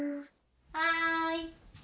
はい。